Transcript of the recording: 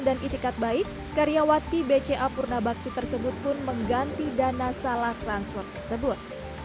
itikat baik karyawati bca purnabakti tersebut pun mengganti dana salah transfer tersebut